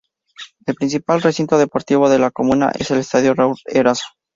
El principal recinto deportivo de la comuna es el Estadio Raúl Erazo.